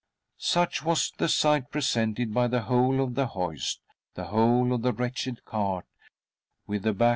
Such was the sight presented by the whole of the hoist, the whole of the wretched cart, with the back ■ tti